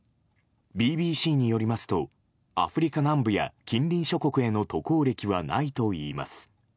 ＢＢＣによりますとアフリカ南部や近隣諸国への渡航歴はないといいます。